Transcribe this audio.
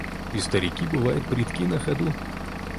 И старики бывают прытки на ходу.